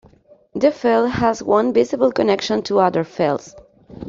The fell has one visible connection to other fells.